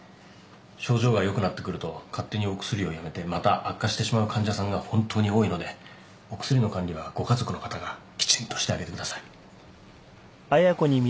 症状が良くなってくると勝手にお薬をやめてまた悪化してしまう患者さんが本当に多いのでお薬の管理はご家族の方がきちんとしてあげてください。